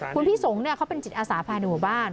คุณพี่สงฆ์เขาเป็นจิตอาสาภายในหมู่บ้าน